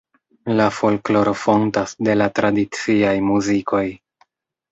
La folkloro fontas de la tradiciaj muzikoj.